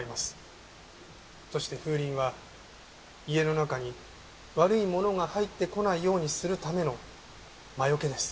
そして風鈴は家の中に悪いものが入ってこないようにするための魔除けです。